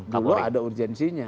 dulu ada urgensinya